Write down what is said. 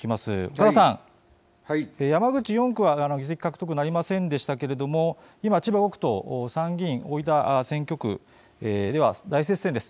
岡田さん、山口４区は議席獲得なりませんでしたけれども今、千葉５区と参議院大分選挙区、大接戦です。